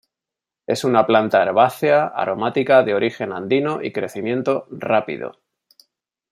Es una planta herbácea aromática de origen andino y crecimiento rápido.